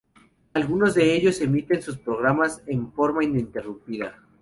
Algunos de ellos emiten sus programas en forma ininterrumpida.